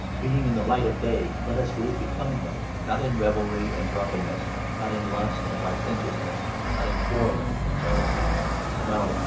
Being in the light of Day, let us 13 live becomingly, not in revelry and drunkenness, not in lust and licentiousness, not in quarrelling and jealousy. No